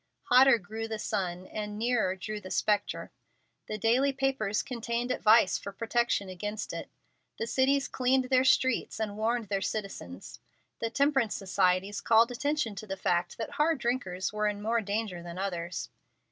Hotter grew the sun, and nearer drew the spectre. The daily papers contained advice for protection against it. The cities cleaned their streets and warned their citizens. The temperance societies called attention to the fact that hard drinkers were in more danger than others.